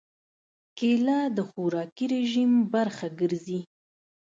کېله د خوراکي رژیم برخه ګرځي.